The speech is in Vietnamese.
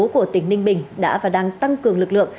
của tỉnh ninh bình đã và đang tăng cường lực lượng